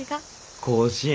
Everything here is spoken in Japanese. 甲子園？